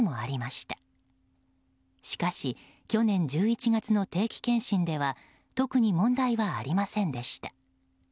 しかし、去年１１月の定期検診では特に問題はありませんでした。